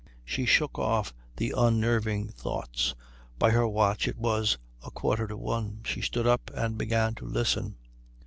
She shook off the unnerving thoughts. By her watch it was a quarter to one. She stood up and began to listen.